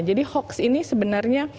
jadi hoax ini sebenarnya